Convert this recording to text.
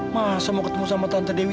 masa mau ketemu sama tante dewi